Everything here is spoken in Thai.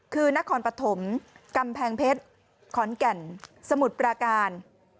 คือนครปฐมกำแพงเพชรขอนแก่นสมุทรปราการ